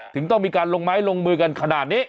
ถึงต้องมีการลงไม้ลงมือกันขนาดนี้